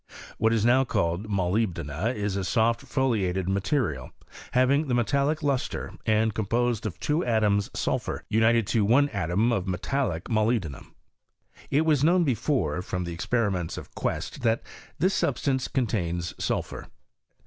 What is now called molybdejia is a soft , foliated mineral, having the metallic lustre, and composed of two atoms sulphui united to one atom of metallic molybdenum. It was known before, from the experiments of Quest, that this substance contains sulphur.